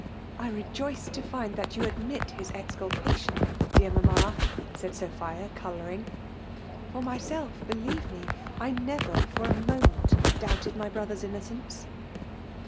'\I rejoice to find that you admit his exciil pation, dear mamma," said Sophii^ colourijog^ •* for myself, believe me, 1 never for a moifient doubted my brother's innocence."